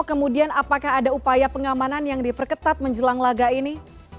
kemudian apakah ada upaya pengamanan yang diperketat menjelang laga ini